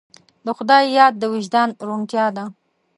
د خدای یاد د وجدان روڼتیا ده.